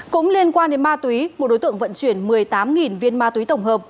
cũng liên quan đến ma túy một đối tượng vận chuyển một mươi tám viên ma túy tổng hợp